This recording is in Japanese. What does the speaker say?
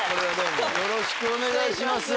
よろしくお願いします